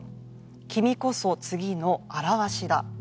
「君こそ次の荒鷲だ」